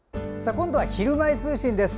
今度は「ひるまえ通信」です。